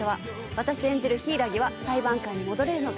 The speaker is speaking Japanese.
私演じる柊木は裁判官に戻れるのか？